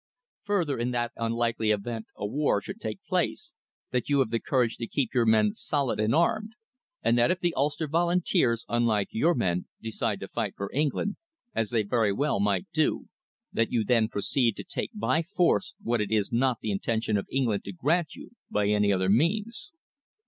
Further, if that unlikely event, a war, should take place, that you have the courage to keep your men solid and armed, and that if the Ulster volunteers, unlike your men, decide to fight for England, as they very well might do, that you then proceed to take by force what it is not the intention of England to grant you by any other means."